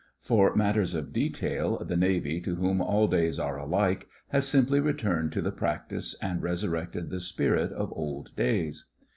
For matters of detail the Navy, to whom all days are alike, has simply returned to the practice and resurrected the spirit of old days.